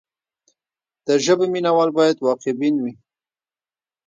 د ژبې مینه وال باید واقع بین وي.